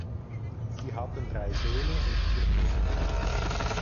Sie hatten drei Söhne und vier Töchter.